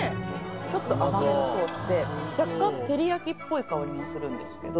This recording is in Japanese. ちょっと甘めのソースで若干照り焼きっぽい香りもするんですけど。